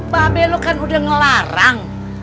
pak b lo kan udah ngelarang